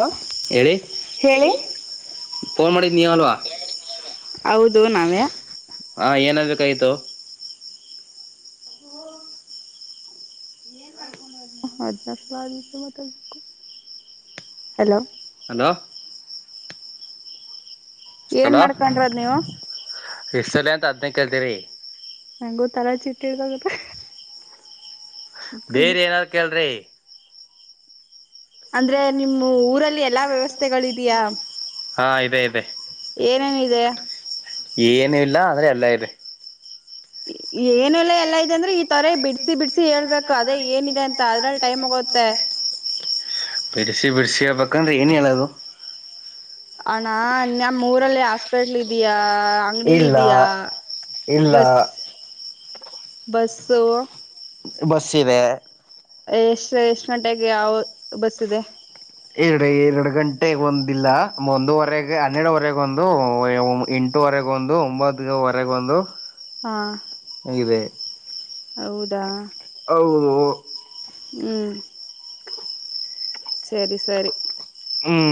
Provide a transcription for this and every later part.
ಲ ಹೇಳಿ ಹೇಳಿ ಫೋನ್ ಮಾಡಿದ್ ನೀವ ಅಲ್ವಾ ಹೌದು ನಾವೇ ಕೈದು ಸ ಮ ಹಲೋ ಹಲೋ ಏನ್ ಮಾಡ್ಕೊಂಡ್ರದ್ ನೀವು ಇಸಲಿ ಅಂತ ಅದನ್ನ ಕೇಳ್ತೀರಿ ನಂಗು ತರಾ ಚಿಟ್ಟಿ ಹಿಡ್ದೋಗ ಬೇರೆ ಏನಾದ್ರು ಕೇಳ್ರಿ ಅಂದ್ರೆ ನಿಮ್ಮ ಊರಲ್ಲಿ ಎಲ್ಲಾ ವ್ಯವಸ್ಥೆಗಳುಿದಯಾ ಹಾ ಇದೆ ಇದೆ ಏನು ಇಲ್ಲ ಆದ್ರೆ ಎಲ್ಲ ಇದೆ ಏನೆಲ್ಲಾ ಎಲ್ಲಾ ಇದಂದ್ರೆ ಈ ತರೆ ಬಿಡ್ಸಿ ಬಿಡ್ಸಿ ಹೇಳ್ಬೇಕು ಅದೇ ಏನಿದೆ ಅಂತ ಅದ್ರಲ್ಲಿ ಟೈಮ್ ಹೋಗುತ್ತೆ ಬಿಡಿಸಿ ಬಿಡಿಸಿಯ ಪಕ್ಕಂತ ಇನ ಅಲ್ಲದು ಅಣ ನಮ್ಮ್ ಊರಲ್ಲಿ ಹಾಸ್ಪೆಟ್ಲ್ ಇದಯಾ ಅಂಗಡಿ ಇಲ್ಲ ಇದಯಾ ಇಲ್ಲ ಬಸ್ ಬಸು ಬಸ್ಸ ಇದೆ ಎಷ್ಟು ಎಷ್ಟು ಗಂಟೆಗೆ ಯಾವ ಬಸ್ ಇದೆ ಎಡೆ ಎರಡು ಗಂಟೆ ಒಂದಿಲ್ಲ ಒಂದುವರೆಗೆ ಹನ್ನೆರಡವರೆಗ ಒಂದು ಎಂಟುವರೆಗ ಒಂದು ಒಂಬತ್ತು ಹೊರಗೆ ಬಂದು ಹಾ ಹೌದಾ ಹ ಹ್ಮ್ ಸರಿ ಸರಿ ಹ್ಮ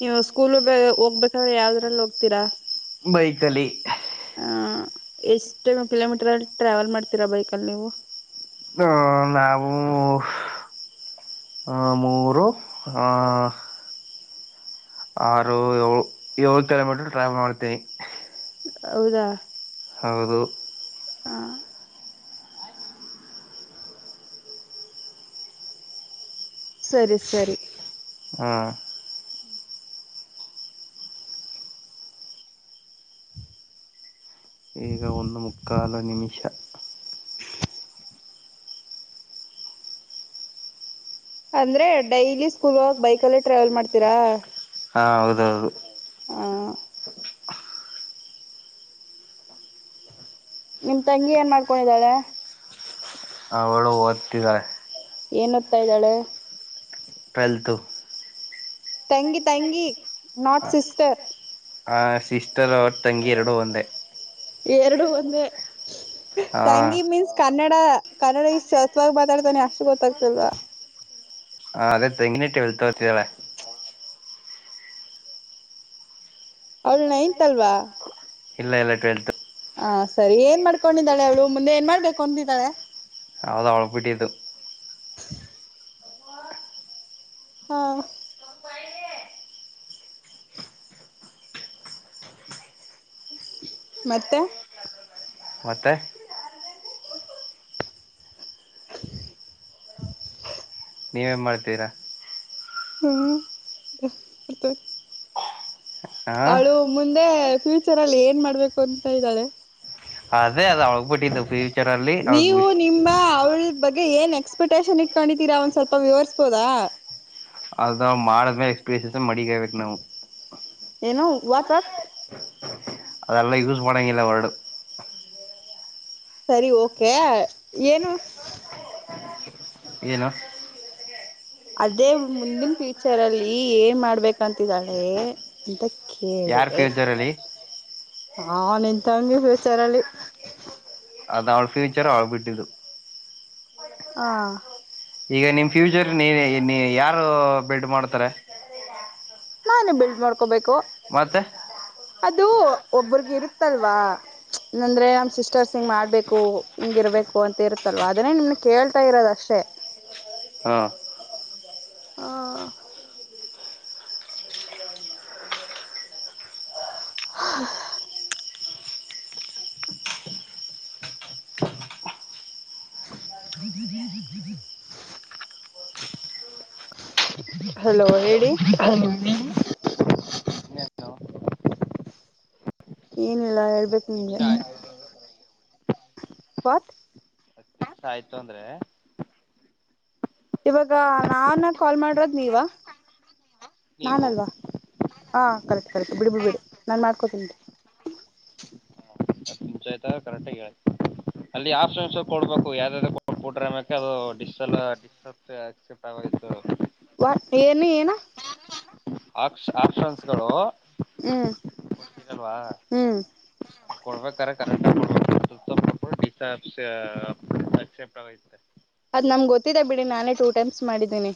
ನೀವು ಸ್ಕೂಲ್ ಹೋಗ್ಬೇಕಾದ್ರೆ ಯಾವ್ದ್ರಲ್ಲಿ ಹೋಗ್ತೀರಾ ಬೈಕಲಿ ಹ ಎಷ್ಟ ಕಿಲೋಮೀಟರ್ ಅಲ್ಲಿ ಟ್ರಾವೆಲ್ ಮಾಡ್ತೀರಾ ಬೈಕ್ಲ್ಲಿ ನೀವು ಹ ನಾ ಮೂರು ಆರು ಏಳು ಏಳು ಕಿಲೋಮೀಟರು ಟ್ರಾವೆಲ್ ಮಾಡ್ತೀನಿ ಹೌದಾ ಹೌದು ಹಾ ಸರಿ ಸರಿ ಹಾ ಈಗ ಒಂದು ಮುಕ್ಕಾಲು ನಿಮಿಷ [inaudible] ಅಂದ್ರೆ ಡೈಲಿ ಸ್ಕೂಲ್ ಬೈಕಲ್ಲೇ ಟ್ರಾವೆಲ್ ಮಾಡ್ತೀರಾ ಹಾ ಹೌದೌದು ಹ ನಿಮ್ ತಂಗಿ ಏನ್ ಮಾಡ್ಕೊಂಡಿದಾಳೆ ಅವಳು ಓದ್ತಿದ್ದಾರೆ ಏನತ್ತಾ ಇದ್ದಾಳೆ ಟೆಲ್ತ್ ತಂಗಿ ತಂಗಿ ನಾಟ್ ಹ ಸಿಸ್ಟರ್ ಆ ಸಿಸ್ಟರ್ ಅವ್ರ ತಂಗಿ ಎರಡು ಒಂದೇ ಎರಡು ಒಂದೇ ಹ ತಂಗಿ ಮೀನ್ಸ್ ಕನ್ನಡ ಕನ್ನಡ ಇಷ್ಟ ಸತ್ವಾಗಿ ಮಾತಾಡ್ತಾನೆ ಅಷ್ಟು ಗೊತ್ತಾಗ್ತಿಲ್ವಾ ಹ ಅದೇ ತಂಗ ಟ್ವೆಲ್ತ್ ಹೊತದಳ ಅವ್ಳ ನೈಂತಲ್ವಾ ಇಲ್ಲ ಇಲ್ಲ ಟ್ವೆಲ್ತ್ ಹಾ ಸರಿ ಏನ್ ಮಾಡ್ಕೊಂಡಿದ್ದಾಳ ಅವಳು ಮುಂದೆ ಏನ್ ಮಾಡ್ಬೇಕು ಅಂತಿದ್ದಾಳೆ ಅವದ ಒಳಪಟ್ಟತ್ತು [inaudible] ಹಾ ಮತ್ತೆ ಮತ್ತೆ [inaudible] ನೀವೇನ್ ಮಾಡ್ತೀರಾ ಹಾತ ಹ ಅವಳು ಮುಂದೆ ಫ್ಯೂಚರ್ ಅಲ್ಲಿ ಏನ್ ಮಾಡ್ಬೇಕು ಅಂತ ಇದ್ದಾರೆ ಅದೇ ಅದು ಅವಳಗ್ ಬಿಟ್ಟಿದ್ದು ಫ್ಯೂಚರ್ ಅಲ್ಲಿ ಅವಗ್ ನೀವು ಬಿ ನಿಮ್ಮ ಅವಳ ಬಗ್ಗೆ ಏನ್ ಎಕ್ಸ್ಪೆಕ್ಟೇಷನ್ ಇಟ್ಕೊಂಡಿದ್ದೀರಾ ಒಂದ್ ಸ್ವಲ್ಪ ವಿವರಿಸ್ಬೋದಾ ಅದಾವ ಮಾಡದ್ಮೇ ಎಕ್ಸ್ಪೀರಿಯನ್ಸ ಮಡಿಗಬೇಕಕ್ ನಾವು ಏನೋ ವಟ್ ವಟ್ ಅಲ್ಲ ಯೂಸ್ ಮಾಡಣಂಗಲ್ಲ ವರ್ಡ್ ಸರಿ ಓಕೆ ಏನು ಏನು ಅದೇ ಮುಂದಿನ ಫ್ಯೂಚರ್ ಅಲ್ಲಿ ಏನ್ ಮಾಡ್ಬೇಕಂತಿದ್ದಾಳೆ ಅಂತ ಯಾರ ಕೇಳಿದೆೆ ಫ್ಯೂಚರ್ ಅಲ್ಲಿ ಹ ನಿಂತಂಗೆ ಹಷಾರಲ್ಲಿ ಅದ ಆಳ್ಫಚರೆ ಅವಳ ಬಿಟ್ಟು ಹಾ ಈಗ ನಿಮ್ ಫ್ಯೂಚರ್ ನೀ ಯಾರು ಬಿಲ್ಡ್ ಮಾಡ್ತಾರೆ ನಾ ಬಿಲ್ಡ್ ಮಾಡ್ಕೋಬೇಕು ಮತ್ತೆ ಅದು ಒಬ್ರಗ ಇರುತ್ತಲ್ವಾ ಅಂದ್ರೆ ನಮ್ಮ ಸಿಸ್ಟರ್ಸ್ ಹಿಂಗ್ ಮಾಡ್ಬೇಕು ಹಿಂಗ ಇರ್ಬೇಕು ಅಂತ ಇರುತ್ತಲ್ವ ಅದನ್ನೇ ನಿಮ್ ಕೇಳ್ತಾ ಇರೋದ ಅಷ್ಟೇ [inaudible] ಹಾ ಹಲೋ ಹೇಳಿ ಏನಿಲ್ಲ ಹೇಳ್ಬೇಕು ನಿಮಿಷ ನಿಮ್ಗೆ ಆಯ್ತು ಪತ್ ಹತ್ತು ನಿಮಿಷ ಆಯ್ತು ಅಂದ್ರೆ ಇವಾಗ ನಾನ್ ಕಾಲ್ ಮಾಡ್ರದ ನೀವ ನೀವು ನಾನಲ್ವಾ ಹಾ ಕರೆಕ್ಟ್ ಕರೆಕ್ಟ್ ಬಿಡಿಬಡ್ಬಿಡಿ ನಾನು ಮಾಡ್ಕೋತೀನಿ [inaudible] ಪಂಚಾಯತ ಕರೆಕ್ಟಾಗಿ ಹೇಳಿ ಅಲ್ಲಿ ಆಪ್ಷನ್ಸ್ ಕೊಡ್ಬೇಕು ಯಾವ್ದ್ದ್ ಕೊಟ್ರ ಅದು ಡಕ್ಸೆಪ್ಟ ಆಗ ವ ಏನು ಏನ ಆಪ್ಷನ್ಸ್ಗಳುಲ್ವಾ ಹ್ಮ್ ಹ್ಮ್ ಕೊಡ್ಬೇಕಾರೆ ಕರೆಕ್ ಕ್ಸಪ್ಟ ಆ ಇ ಅದ್ ನಮ್ಗೆ ಗೊತ್ತಿದ್ದ ಬಿಡಿ ನಾನೇ ಟೂ ಟೈಮ್ಸ್ ಮಾಡಿದ್ದೀನಿ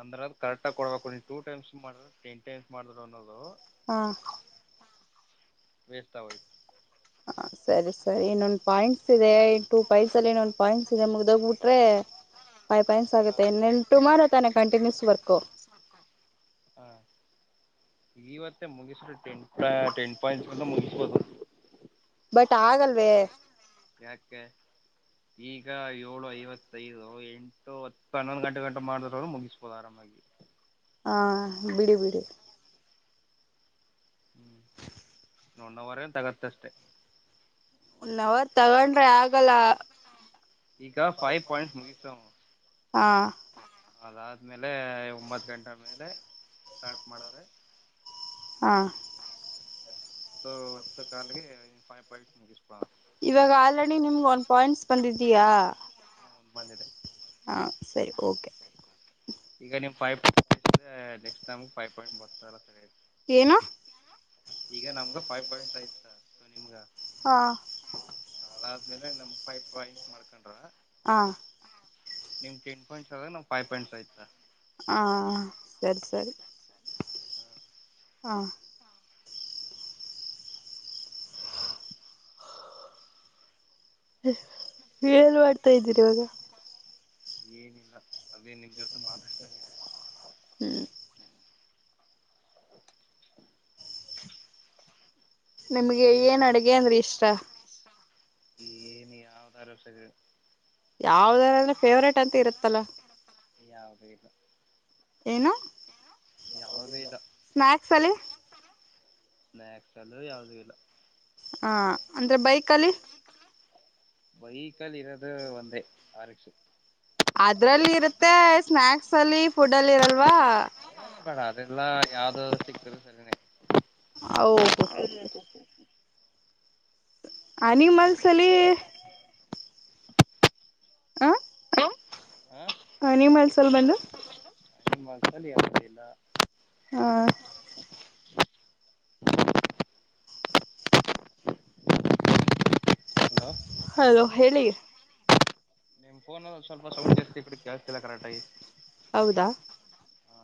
ಅಂದ್ರ ಅದು ಕಕ್ ಆಗ ಕೊಡ್ಬೇಕು ನೀವು ಟೂ ಟೈಮ್ಸ್ ಮಾಡ್ರ ಟೆನ್ ಟೈಮ್ ಮಾಡ್ ಅನ್ನೋದು ಹಾ ವೇಸ್ವಯತ ಹ ಸರಿ ಸರಿ ಇನ್ನೊಂದ್ ಪಾಯಿಂಟ್ಸ್ ಇದೆ ಟು ಪೈಸ ಅಲ್ಲಿ ಇನ್ನೊಂದ್ ಪಾಯಿಂಟ್ಸ್ ಇದೆ ಮುಗ್ದಗಬಟ್ರೆ ಪೈನ್ಸ್ ಆಗುತ್ತೆ ಇನ್ ಟುಮಾರೋ ತಾನೆ ಕಂಟಿನ್ಯೂಸ್ ವರ್ಕ್ ಹಾ ಈವತ್ತೆ ಮುಗಿಸ್ರೆ ಟೆನ್ ಟೆನ್ ಪಾಯಿಂಟ್ಸ್ಂತ ಮುಗಿಸ್ಬೋದು ಬಟ್ ಆಗಲ್ವೇ ಯಾಕೆ ಈಗ ಏಳು ಐವತ್ತಐದು ಎಂಟು ಹತ್ತು ಹನ್ನೊಂದು ಗಂಟೆ ಗಂಟ ಮಾಡಿದ್ರುನು ಮುಗಿಸ್ಬೋದು ಆರಾಮ [inaudible] [unintelligible] ಹಾ ಬಿಡಿ ಬಿಡಿ ಒಂದವರೇ ತಗತ್ತಷ್ಟೆ ಒಂದವರ್ ತಗೊಂಡ್ರೆ ಆಗಲ್ಲ ಈಗಾ ಫೈವ್ ಪಾಯಿಂಟ್ಸ್ ಮುಗಿಸು ಹಾ ಅದಾದ್ಮೇಲೆ ಒಂಬತ್ ಗಂಟೆ ಮೇಲೆ ಸ್ಟಾರ್ಟ್ ಮಾಡೋದು ಹಾ ಎಂಟು ಹತ್ತುಕಾಲ್ ಗೆ ಫೈವ್ ಪಾಯಿಂಟ್ಸ್ ಮುಗಿಸ್ಬ ಇವಾಗ ಆಲ್ರೆಡಿ ನಿಮ್ಗೆ ಒಂದ್ ಪಾಯಿಂಟ್ಸ್ ಬಂದಿದ್ದೀಯಾ ಒಂದು ಬಂದಿದೆ ಹಾ ಸರಿ ಓಕೆ ಈಗ ನಿಮ್ ಫೈವ್ ಪಾಯಿಂಟ್ಸ್ [unintelligible] ನೆಕ್ಸ್ಟ್ ನಮ್ಗ ಫೈವ್ ಪಾಯಿಂಟ್ ಬರ್ತ ಏನು ಈಗ ನಮ್ಗ ಫೈವ್ ಪಾಯಂಟ್ ಆಯತ ಸೊ ನಿಮ್ಗ ಹಾಂ ಅದಾದ್ಮೇಲೆ ನಮ್ ಫೈವ್ ಪಾಯಿಂಟ್ಸ್ ಮಾಡ್ಕೊಂಡ್ರ ಹಾಂ ನಿಮ್ಗ್ ಎಂಟು ಪಾಯಿಂಟ್ [unintelligible] ಫೈವ್ ಪಾಯಂಟ್ಸ್ ಆಯ್ತ ಹಾಂ ಸರಿ ಹ ಏನ್ ಮಾಡ್ತಾ ಇದ್ದೀರಿವಾಗ ಏನಿಲ್ಲ ಅದೇ ನಿಮ್ಮ ಜೋತೆ ಮಾತಾಡ್ತಾಇದೀನಲ್ವ ಹ್ಮ್ [inaudible] ನಿಮ್ಗೆ ಏನ್ ಅಡಗೆ ಅಂದ್ರೆ ಇಷ್ಟ ಏನು ಯಾವದರ ಅಷ್ಟೆ ಯಾವದಾರಂದ್ರೆ ಫೇವ್ರೇಟ್ ಅಂತ ಇರುತ್ತಲ್ಲ ಯಾವ್ದುಇಲ್ಲ ಏನು ಇಲ್ಲ ಸ್ನ್ಯಾಕ್ಸ್ ಅಲ್ಲಿ ಸ್ನ್ಯಾಕ್ಸಲ್ಲೂ ಯಾವ್ದು ಇಲ್ಲ ಹಾ ಅಂದ್ರೆ ಬೈಕಲ್ಲಿ ಬೈಕಲ್ ಇರದು ಒಂದೆ ಆರ್ ಎಕ್ ಅದ್ರಲ್ಲಿ ಇರುತ್ತೆ ಸ್ನ್ಯಾಕ್ಸ್ ಅಲ್ಲಿ ಫುಡ್ ಅಲ್ಲಿ ಇರಲ್ವಾ ಏಲ್ಲ ಯಾವ್ದೋ ಸಿಕ್ಕಿದ್ರೆ [unintelligible] ಓಹೋ ಹೋ ಅ ನಿ ಮನ್ಸಲ್ಲಿ ಹ ನಾ ಹ ನೀವು ಮನಸಲ್ಲಿ ಬಂದು ನಿಮ್ಮ ಮನ್ಸಲ್ಲಿ ಯಾವ್ದಾದ್ರೂ ಐತ ಹ ಹಲೋ ಹಲೋ ಹೇಳಿ ನಿಮ್ ಫೋನ್ ಸ್ವಲ್ಪ ಸೌಂಡ್ [unintelligible] ಜಾಸ್ತಿ ಇಲ್ಲ ಕರೆಕ್ಟಾಗಿ ಹೌದಾ ಹಾ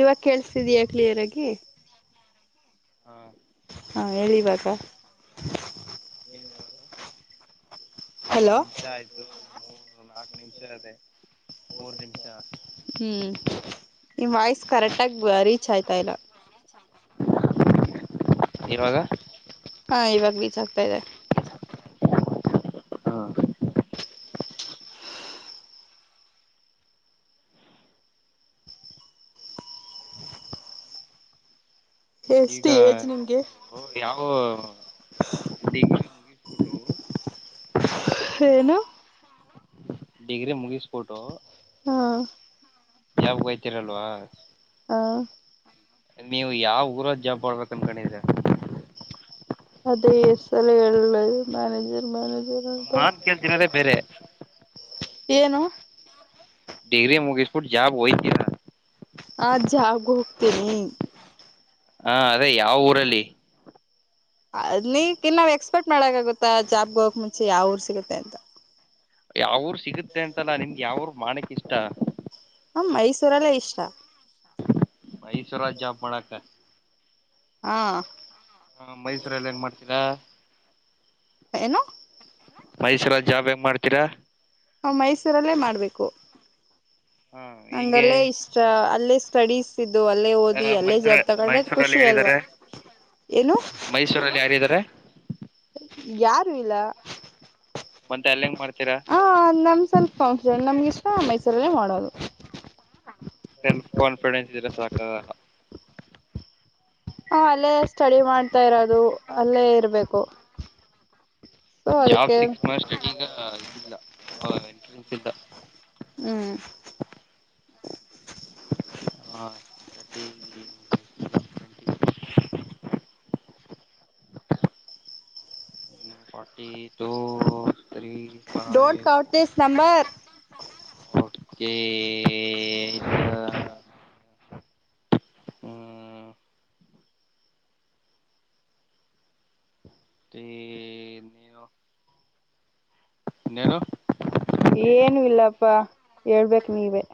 ಇವಾಗ ಕೆಳಸ್ತಿದಿಯ ಕ್ಲಿಯರ್ ಆಗಿ ಹಾ ಹಾ ಹೇಳಿವಾಗ [unintelligible] ಏಳ್ ಹಲೋ ನಿಮಿಷ ಆಯ್ತು [unintelligible] ನಾಲ್ಕು ನಿಮಿಷ ಅದೆ ಮೂರ್ ನಿಮಿಷ ಹ್ಮ್ ನಿ್ ವಾಯ್ಸ್ ಕರೆಕ್ಟ್ ಆಗ ರೀಚ್ ಆಯ್ತಾ ಇಲ್ಲ ಇವಾಗ ಹಾ ಇವಾಗ ರಿಚ್ ಆಗ್ತಾ ಇದೆ ಹಾ ಈಗ ಎಷ್ಟು ಏಜ್ ನಿಮ್ಗೆ ಯಾವ ಟ್ಟ ಏನು ಡಿಗ್ರಿ ಮುಗಿಸ್ಬೊಟ್ಟು ಹಾ ಯಾವ ಹಯ್ತಿೀರಲ್ವಾ ಹಾ ನೀವು ಯಾವ ಊರಲ್ಲಿ ಜಾಬ್ ಮಾಡಬೇಕಮ ಕಣಿದ ಅದೇ ಎಸ್ ಸಲ್ಲದು ಮ್ಯಾನೇಜರ್ ಮ್ಯಾನೇಜರ್ ಅಂತ ನಾನ್ ಕೆಲ್ ದಿನದೇ ಬೇರೆ ಏನು ಡಿಗ್ರಿ ಮುಗಿಸ್ಬಿಟ್ಟು ಜಾಬ್ಗೆ ಓಯ್ತೀರಾ ಅಜ್ ಜಾಗ ಹೋಗ್ತೇನೆ ಹಾ ಅದೇ ಯಾವ ಊರಲ್ಲಿ ಅ ನೀ ಇನ್ನಾವ್ ಎಕ್ಸ್ಪೆಕ್ಟ್ ಮಾಡಕಗುತ್ತಾ ಜಾಬ್ಗೆ ಹೋಗಕ ಮುಂಚೆ ಯಾವ ಊರ್ ಸಿಗುತ್ತೆ ಅಂತ ಯಾವ್ರ ಸಿಗುತ್ತೆ ಅಂತಲ್ಲಾ ನಿಮ್ಗೆ ಯಾವರು ಮಾಡಕ್ ಇಷ್ಟ ಹ ಮೈಸೂರಲ್ಲೇ ಇಷ್ಟ ಮೈಸೂರಲ್ಲೇ ಜಾಬ್ ಮಾಡಕ ಹಾ ಹಾ ಮೈಸೂರಲ್ಲಿ ಹೆಂಗ ಮಾಡ್ತೀರಾ ಏನು ಮೈಸೂರ ಜಾಬ್ ಹೆಂಗ ಮಾಡ್ತೀರಾ ಮೈಸೂರಲ್ಲೇ ಮಾಡ್ಬೇಕು ಹಾ ಹೆಂಗೆ ನಂಗಲ್ಲೇ ಇಷ್ಟ ಅಲ್ಲ ಸ್ಟಡೀಸ್ ಇದ್ದು ಅಲ್ಲೇ ಓದಿ ಅಲ್ಲೇ ಮೈಸೂರ ಜಾಬ್ ತಗೊಂಡ್ರೆ ಮೈಸೂರಲ್ಲಿ ಖುಷಿ ಅಲ್ವಾ ಯಾರಿದ್ದಾರೆ ಏನು ಮೈಸೂರಲ್ಲಿ ಯಾರಿದ್ದಾರೆ ಯಾರು ಇಲ್ಲ ಮತ್ತೆ ಅಲ್ಲ ಹೆಂಗ ಮಾಡ್ ಹ ನಮ್ ಸ್ವಲ್ಪ ಕಟ್ ನಮ್ಗೆ ಇಷ್ಟ ಮೈಸೂರಲ್ಲೇ ಮಾಡೋದು ಸೆಲ್ಫ್ ಕಾನ್ಫಿಡೆನ್ಸ್ ಇದ್ರ ಸಾಕದ ಹ ಅಲ್ಲೇ ಸ್ಟಡಿ ಮಾಡ್ತಾ ಇರೋದು ಅಲ್ಲೇ ಇರ್ಬೇಕು ಸೊ ಜಾಬ್ ಅದಕ್ಕೆ ಸಿಕ್ಸ್ ಮ ಸ್ಟಡಿಗ ಇದಿಲ್ಲ ಎಂಟ್ರೆನ್ಸ್ ಇಲ್ಲ ಹ್ಮ್ ಹ forty two three don't five count this number ತಾ ಹ್ಮ ಇನೆನು ಏನು ಇಲ್ಲಪ್ಪಾ ಹೇಳ್ಬೇಕು ನೀವೇ